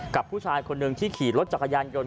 กับผู้ชายคนหนึ่งที่ขี่รถจักรยานยนต